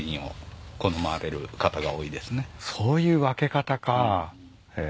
そういう分け方か。へ。